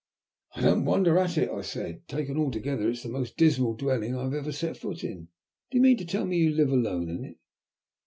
"I do not wonder at it," I said. "Taken altogether it is the most dismal dwelling I have ever set foot in. Do you mean to tell me that you live alone in it?"